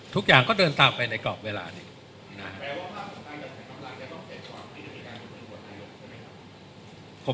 ทุกอย่างก็เดินตามไปในกรอบเวลานี้นะครับ